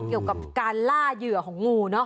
เกี่ยวกับการล่าเหยื่อของงูเนอะ